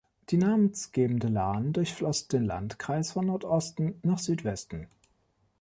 Die namensgebende Lahn durchfloss den Landkreis von Nordosten nach Südwesten.